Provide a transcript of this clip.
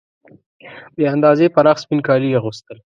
بې اندازې پراخ سپین کالي یې اغوستل.